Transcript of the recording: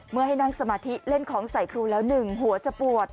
ให้นั่งสมาธิเล่นของใส่ครูแล้วหนึ่งหัวจะปวด